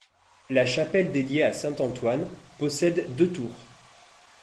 La chapelle dédiée à saint Antoine possède deux tours.